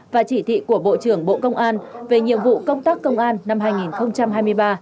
và chỉ thị của bộ trưởng bộ công an về nhiệm vụ công tác công an năm hai nghìn hai mươi ba